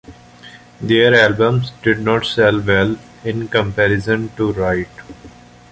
Their albums did not sell well in comparison to Ride.